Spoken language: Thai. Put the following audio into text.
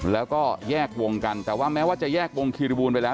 แล้วก็แยกวงกันแต่ว่าแม้ว่าจะแยกวงคิริบูลไปแล้ว